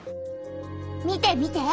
見て見て！